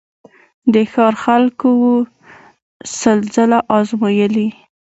د ښار خلکو وو سل ځله آزمېیلی